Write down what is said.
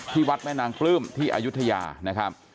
วัดแม่นางปลื้มที่อายุทยานะครับ